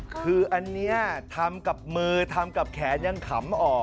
คืออันนี้ทำกับมือทำกับแขนยังขำออก